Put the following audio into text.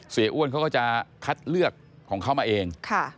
อ้วนเขาก็จะคัดเลือกของเขามาเอง